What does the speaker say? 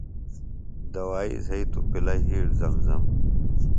دوائی زھئی توۡ پِلہ یِھیڑ زم زم۔